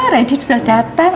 randy sudah datang